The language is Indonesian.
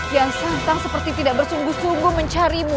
yang suntang seperti tidak bersungguh sungguh mencarimu